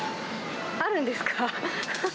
あるんですか？